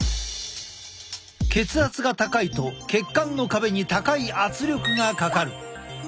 血圧が高いと血管の壁に高い圧力がかかる。